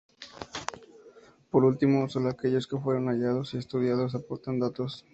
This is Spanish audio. Por último, sólo aquellos que fueron hallados y estudiados aportan datos.